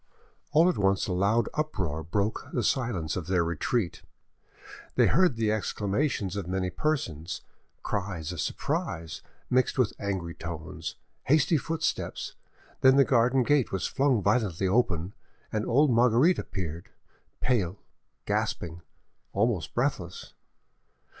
All at once a loud uproar broke the silence of their retreat; they heard the exclamations of many persons, cries of surprise mixed with angry tones, hasty footsteps, then the garden gate was flung violently open, and old Marguerite appeared, pale, gasping, almost breathless.